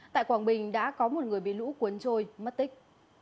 tại quảng bình đã có một người bị lũ cuốn trôi mất tích